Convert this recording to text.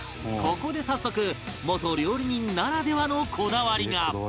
ここで早速元料理人ならではのこだわりが